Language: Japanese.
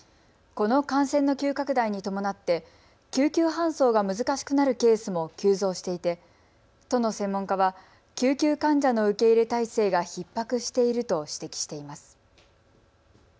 この感染の急拡大に伴って救急搬送が難しくなるケースも急増していて都の専門家は救急患者の受け入れ体制がひっ迫していると指摘しています。